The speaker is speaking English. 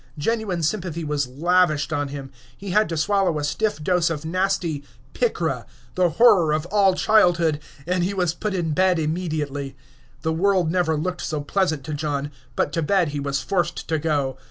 Genuine sympathy was lavished on him. He had to swallow a stiff dose of nasty "picra," the horror of all childhood, and he was put in bed immediately. The world never looked so pleasant to John, but to bed he was forced to go.